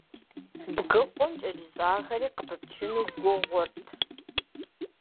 Бгыкъум кӀэрыщӀахэри къыпыпчыну гугъут.